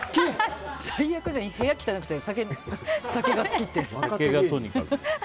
最悪じゃん部屋汚くて酒が好きって。